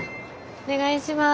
お願いします。